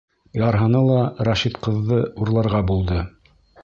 Ярһыны ла Рәшит ҡыҙҙы урларға булды.